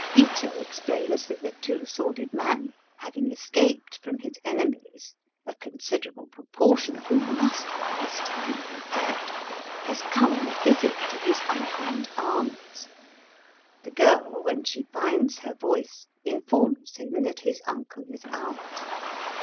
Ito explains that the Two S worded Man, having escaped from his enemies (a considerable pro portion of whom must by this time be dead) has come on a visit to his imcle and aunt. The girl, when she finds her voice, informs him that his uncle is out.